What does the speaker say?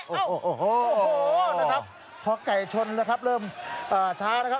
โอ้โหโอ้โหนะครับพอไก่ชนนะครับเริ่มช้านะครับ